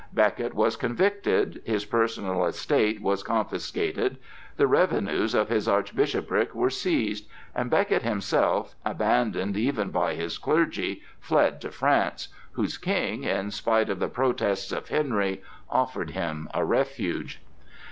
Becket was convicted, his personal estate was confiscated, the revenues of his archbishopric were seized, and Becket himself, abandoned even by his clergy, fled to France, whose King, in spite of the protests of Henry, offered him a refuge.